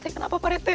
pak rt kenapa pak rt